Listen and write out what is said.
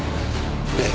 ええ。